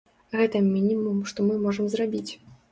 Гэта мінімум, што мы можам зрабіць.